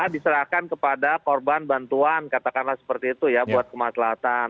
diserahkan kepada korban bantuan katakanlah seperti itu ya buat kemaslahan